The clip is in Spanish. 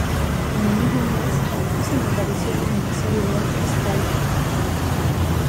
En el mismo mes, hizo una aparición en la serie web "Star-ving".